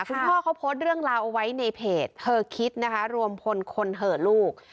คุณพ่อเขาโพสต์เรื่องราวเอาไว้ในเพจเธอคิดนะคะรวมพลคนเหอะลูก